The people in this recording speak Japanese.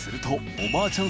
おばあちゃん